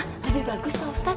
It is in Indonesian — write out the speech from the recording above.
lebih bagus pak ustadz